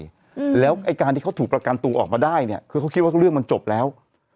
อืมแล้วไอ้การที่เขาถูกประกันตัวออกมาได้เนี้ยคือเขาคิดว่าเรื่องมันจบแล้ว